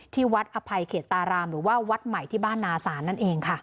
ที่วัดอภัยเขตตารามหรือว่าวัดใหม่ที่บ้านนาศาลนั่นเองค่ะ